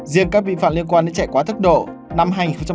riêng các vi phạm liên quan đến chạy quá tốc độ năm hai nghìn hai mươi ba